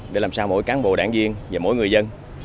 để làm sao mỗi cán bộ đảng viên và mỗi người dân